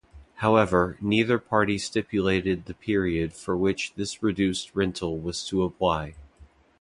However, neither party stipulated the period for which this reduced rental was to apply.